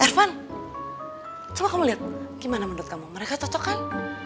ervan coba kamu liat gimana menurut kamu mereka cocok kan